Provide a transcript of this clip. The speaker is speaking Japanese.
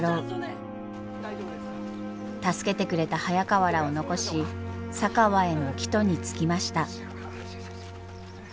助けてくれた早川らを残し佐川への帰途につきました。